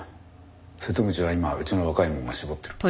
瀬戸口は今うちの若い者が絞ってる。